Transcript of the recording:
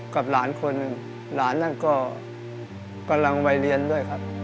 กับหลานคนหนึ่งหลานนั่นก็กำลังวัยเรียนด้วยครับ